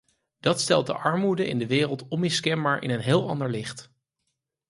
Dat stelt de armoede in de wereld onmiskenbaar in een heel ander licht.